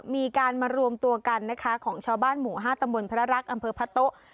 มีการมารวมตัวกันนะคะของชาวบ้านหมู่๕ตำบลพระรักษ์อำเภอพระโต๊ะ